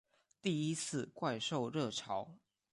第一次怪兽热潮